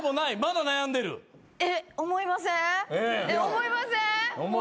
思いません